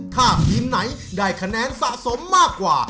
ถ้าทีมไหนได้คะแนนสะสมมากกว่า